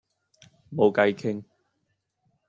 冇計傾